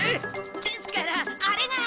ですからあれが。